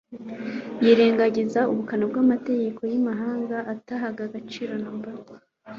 yirengagiza ubukana bw'amategeko y'imihango atahaga agaciro na mba,